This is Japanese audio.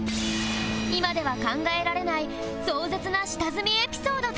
今では考えられない壮絶な下積みエピソードとは？